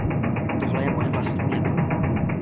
Tohle je moje vlastní věta.